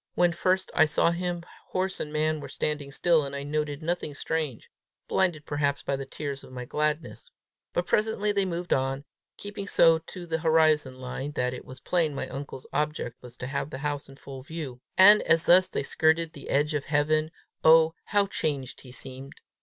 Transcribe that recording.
When first I saw him, horse and man were standing still, and I noted nothing strange, blinded perhaps by the tears of my gladness. But presently they moved on, keeping so to the horizon line that it was plain my uncle's object was to have the house full in view; and as thus they skirted the edge of heaven, oh, how changed he seemed!